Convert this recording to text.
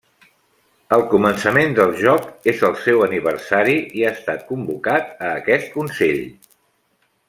Al començament del joc és el seu aniversari, i ha estat convocat a aquest consell.